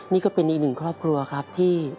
นี่ก็เป็นอีกของครัวครับที่